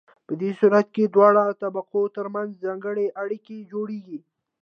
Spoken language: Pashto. په دې صورت کې د دواړو طبقو ترمنځ ځانګړې اړیکې جوړیږي.